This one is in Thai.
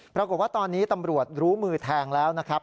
ปรากฏว่าตอนนี้ตำรวจรู้มือแทงแล้วนะครับ